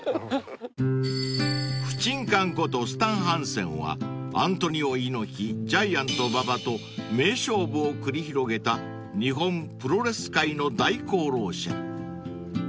［不沈艦ことスタン・ハンセンはアントニオ猪木ジャイアント馬場と名勝負を繰り広げた日本プロレス界の大功労者］